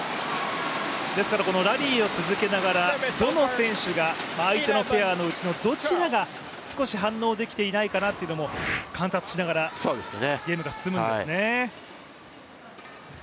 ですから、ラリーを続けながらどの選手が相手のペアのうちのどちらが少し反応できていないかなっていうのも、観察しながらゲームが進むんですね。